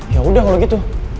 ya udah kalau gitu